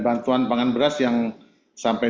bantuan pangan beras yang sampai